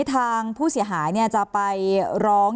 ทางผู้เสียหายจะไปร้อง